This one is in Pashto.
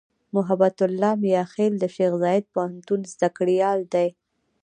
محبت الله "میاخېل" د شیخزاید پوهنتون زدهکړیال دی.